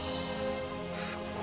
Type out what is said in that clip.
すごい。